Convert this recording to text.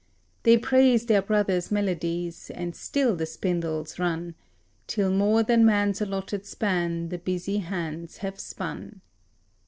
They praise their brother's melodies, and still the spindles run, Till more than man's allotted span the busy hands have spun.